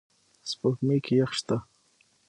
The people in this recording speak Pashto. سپوږمۍ کې یخ شته